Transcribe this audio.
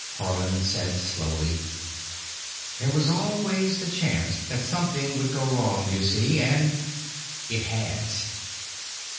Haarland said slowly, "There was always the chance that something would go wrong, you see. And—it has."